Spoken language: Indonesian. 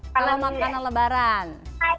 kalau makanan lebaran